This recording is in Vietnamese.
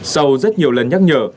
sau rất nhiều lần nhắc nhở